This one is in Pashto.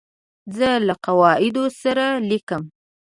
زه له قواعدو سره لیکم.